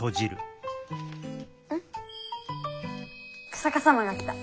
日下様が来た。